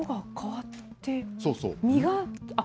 そうそう。